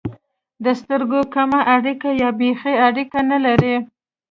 د سترګو کمه اړیکه یا بېخي اړیکه نه لري.